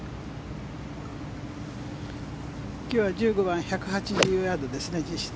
今日は１５番１７５ヤードですね、実質。